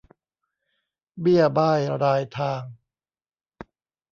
เบี้ยบ้ายรายทาง